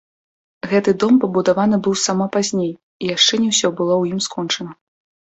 Гэты дом пабудаваны быў сама пазней, і яшчэ не ўсё было ў ім скончана.